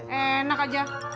ternyata enak aja